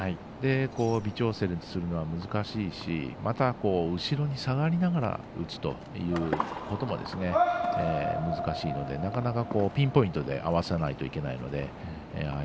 微調整するのは難しいしまた後ろに下がりながら打つということも難しいのでなかなかピンポイントで合わせないといけないのでああ